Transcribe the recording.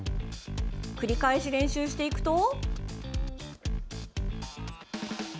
繰り返し練習していくと。